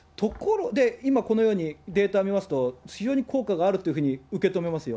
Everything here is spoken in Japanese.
今、このようにデータ見ますと、非常に効果があるというふうに受け止めますよ。